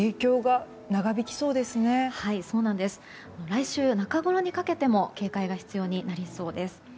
来週中ごろにかけても警戒が必要になりそうです。